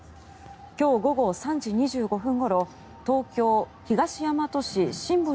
今日午後３時２５分ごろ東京・東大和市新堀１